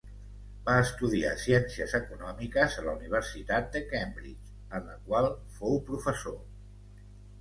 Va estudiar ciències econòmiques a la Universitat de Cambridge, en la qual fou professor.